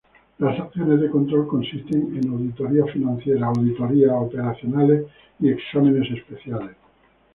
Las acciones de control consisten en auditorías financieras, auditorías operacionales y exámenes especiales.